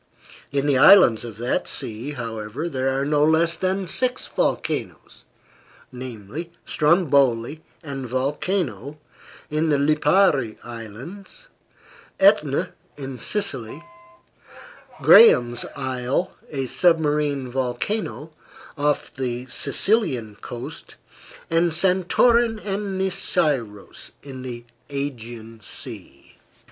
In the islands of that sea, however there are no less than six volcanoes: namely, Stromboli, and Vulcano, in the Lipari Islands; Etna, in Sicily; Graham's Isle, a submarine volcano, off the Sicilian coast; and Santorin and Nisyros, in the Aegean Sea.